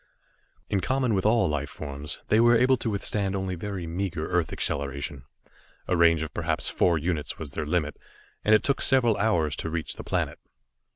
In common with all life forms, they were able to withstand only very meager earth acceleration. A range of perhaps four units was their limit, and it took several hours to reach the planet.